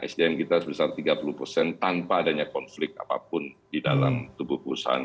sdm kita sebesar tiga puluh persen tanpa adanya konflik apapun di dalam tubuh perusahaan